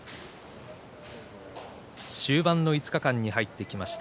終盤の５日間に入ってきました